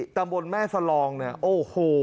ตำบลแม่สลองเนี่ยโอ้โห